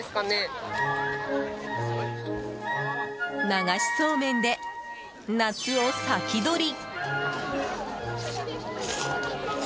流しそうめんで夏を先取り！